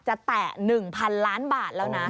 แตะ๑๐๐๐ล้านบาทแล้วนะ